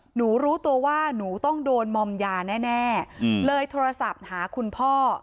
หนูรู้ตัวว่าหนูต้องโดนมอมยาแน่เลยโทรศัพท์หาคุณพ่อ